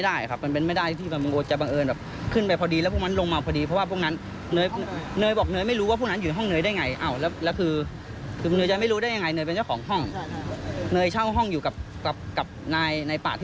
เดี๋ยวฟังเสียงของในเป๋าหน่อยนะคะ